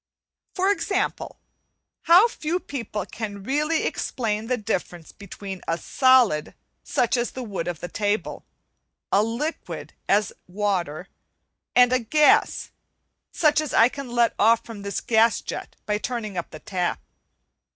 For example, how few people can really explain the difference between a solid, such as the wood of the table; a liquid, as water; and a gas, such as I can let off from this gas jet by turning the tap.